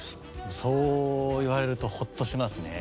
そう言われるとホッとしますね。